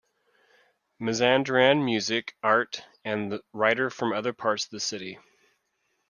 Mazandaran music, art and writer from other parts of the city.